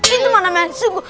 itu mana masuk